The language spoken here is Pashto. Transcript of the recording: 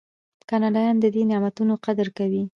کاناډایان د دې نعمتونو قدر کوي.